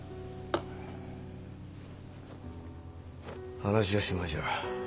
話はしまいじゃ。